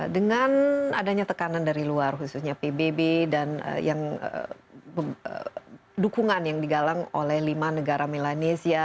dengan adanya tekanan dari luar khususnya pbb dan dukungan yang digalang oleh lima negara melanesia